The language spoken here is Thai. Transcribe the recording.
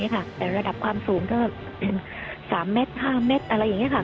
แต่ระดับความสูงก็เป็น๓เมตร๕เมตรอะไรอย่างนี้ค่ะ